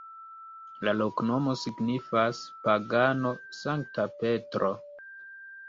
La loknomo signifas: pagano-Sankta Petro.